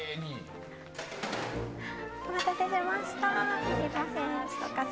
お待たせしました。